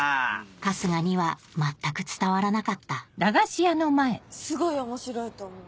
春日には全く伝わらなかったすごい面白いと思う。